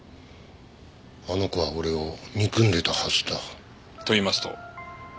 あの子は俺を憎んでたはずだ。と言いますと？